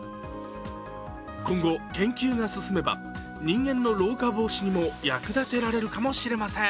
今後、研究が進めば人間の老化防止にも役立てられるかもしれません。